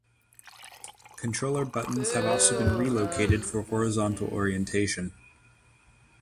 Controller buttons have also been relocated for horizontal orientation.